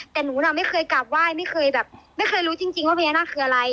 แต่หนูน่ะไม่เคยกลับไหว้ไม่เคยแบบไม่เคยรู้จริงว่าพญานาคคืออะไร